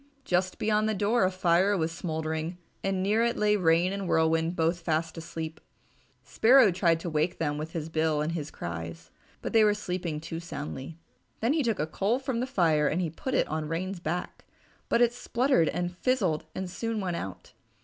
Just beyond the door a fire was smouldering and near it lay Rain and Whirlwind both fast asleep. Sparrow tried to wake them with his bill and his cries, but they were sleeping too soundly. Then he took a coal from the fire and put it on Rain's back, but it spluttered and fizzled and soon went out.